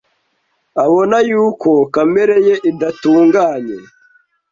abona yuko kamere ye idatunganye.